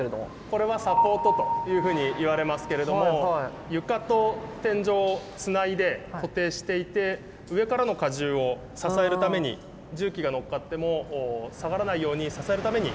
これはサポートというふうにいわれますけれども床と天井をつないで固定していて上からの荷重を支えるために重機が乗っかっても下がらないように支えるために。